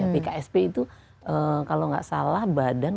bksb itu kalau enggak salah badan